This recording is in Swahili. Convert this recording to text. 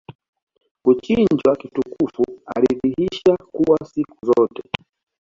kuchinjwa kitukufu alidhihisha kuwa siku zote